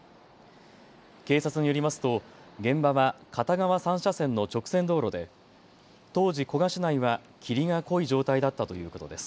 警察によりますと現場は片側３車線の直線道路で当時、古河市内は霧が濃い状態だったということです。